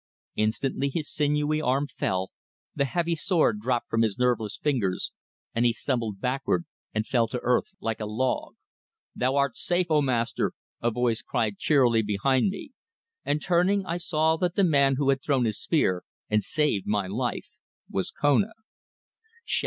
Instantly his sinewy arm fell, the heavy sword dropped from his nerveless fingers, and he stumbled backward and fell to earth like a log. "Thou art safe, O Master!" a voice cried cheerily behind me, and turning, I saw that the man who had thrown his spear and saved my life was Kona.